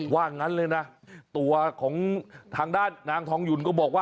ว่างั้นเลยนะตัวของทางด้านนางทองหยุ่นก็บอกว่า